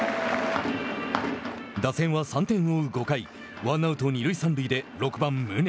打線は３点を追う５回ワンアウト、二塁三塁で６番宗。